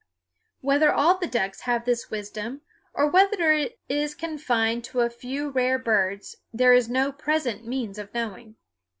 Whether all the ducks have this wisdom, or whether it is confined to a few rare birds, there is no present means of knowing.